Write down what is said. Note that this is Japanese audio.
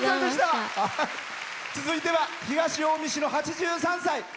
続いては東近江市の８３歳。